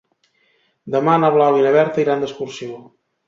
Demà na Blau i na Berta iran d'excursió.